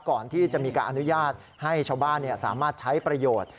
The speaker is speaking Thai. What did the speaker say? ก่อนที่จะมีการอนุญาตให้ชาวบ้านสามารถใช้ประโยชน์